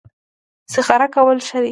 استخاره کول ښه دي